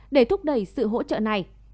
để thúc đẩy sự hỗ trợ này